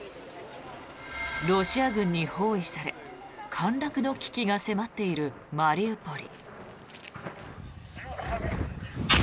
ロシア軍に包囲され陥落の危機が迫っているマリウポリ。